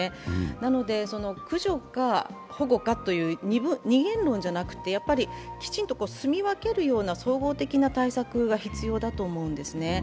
なので、駆除か保護かという二元論ではなくて、やっぱり、きちんとすみ分けるような総合的な対策が必要だと思うんですね。